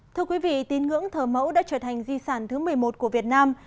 thưa quý vị tín ngưỡng thờ mẫu đã trở thành di sản thứ một mươi một của việt nam